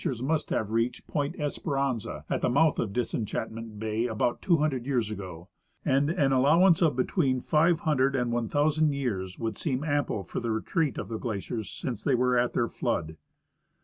s must have reached Point Esperanza, at the mouth of Disenchantment bay, about 200 years ago ; and an aUowance of between 500 and 1 ,000 years would seem ample for the retreat of the glaciers since they were at their flood.